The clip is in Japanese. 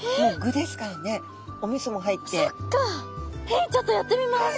えっちょっとやってみます！